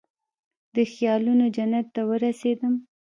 د خیالونوجنت ته ورسیدم